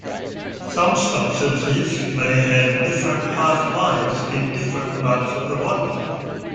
Some substances may have different half-lives in different parts of the body.